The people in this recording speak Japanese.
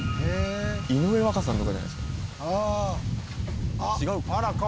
井上和香さんとかじゃないですか？